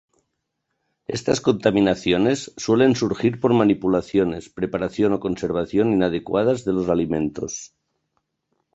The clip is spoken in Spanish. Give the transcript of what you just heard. Estas contaminaciones suelen surgir por manipulaciones, preparación o conservación inadecuadas de los alimentos.